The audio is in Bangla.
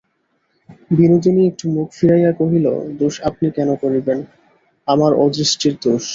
বিনোদিনী একটু মুখ ফিরাইয়া কহিল, দোষ আপনি কেন করিবেন, আমার অদৃষ্টের দোষ।